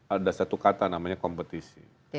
ada satu kata namanya kompetisi